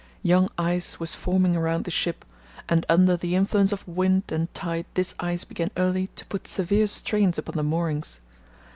Young ice was forming around the ship, and under the influence of wind and tide this ice began early to put severe strains upon the moorings.